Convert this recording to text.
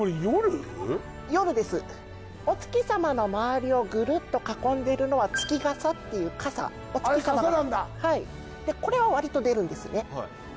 夜ですお月さまの周りをぐるっと囲んでいるのは月暈っていう暈あれ暈なんだはいこれは割と出るんですね